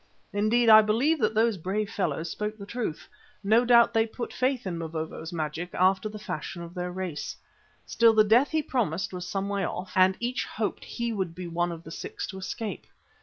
Indeed, I believe that those brave fellows spoke truth. No doubt they put faith in Mavovo's magic after the fashion of their race. Still the death he promised was some way off, and each hoped he would be one of the six to escape.